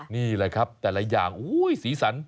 นี่แหละครับแต่ละอย่างสีสัน